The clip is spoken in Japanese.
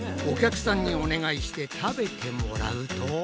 お客さんにお願いして食べてもらうと。